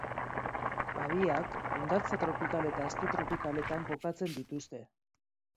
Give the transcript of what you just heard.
Habiak hondartza tropikal eta azpitropikaletan kokatzen dituzte.